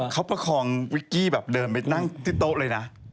เขาประคองวิกกี้แบบเดินไปนั่งที่โต๊ะเลยนะ